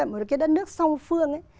một cái đất nước song phương